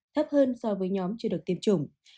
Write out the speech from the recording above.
thấp hơn so với nhóm chưa được tiêm chủng